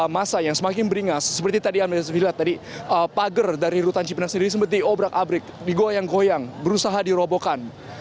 masa yang semakin beringas seperti tadi amir zafilat tadi pager dari rutan cipinang sendiri seperti obrak abrik digoyang goyang berusaha dirobokan